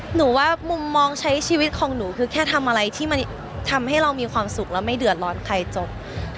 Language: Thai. หนูว่ามุมมองใช้ชีวิตของหนูคือแค่ทำอะไรที่มันทำให้เรามีความสุขแล้วไม่เดือดร้อนใครจบ